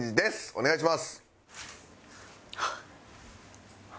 お願いします。